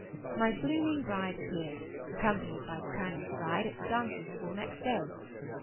My blooming bride appeared, accompanied by the colonel's bride, at the dancing school next day.